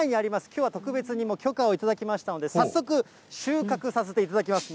きょうは特別に許可を頂きましたので、早速、収穫させていただきます。